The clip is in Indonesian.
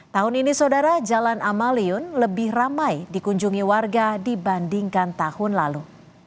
tahun ini saudara jalan amaliun lebih ramai dikunjungi warga dibandingkan tahun lalu